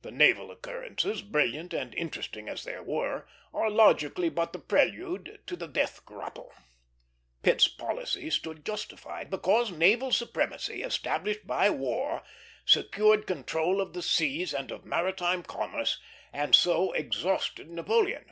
The naval occurrences, brilliant and interesting as they were, are logically but the prelude to the death grapple. Pitt's policy stood justified, because naval supremacy, established by war, secured control of the seas and of maritime commerce, and so exhausted Napoleon.